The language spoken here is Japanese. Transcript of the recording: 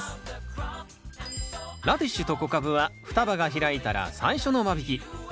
ラディッシュと小カブは双葉が開いたら最初の間引き。